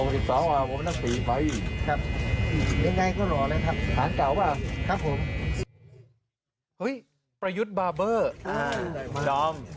สิบสองอ่ะผมต้องกี่เว้ยครับไอ่ไงก็หรอกเลยนะครับแต่ตามเก่าเปล่าครับผม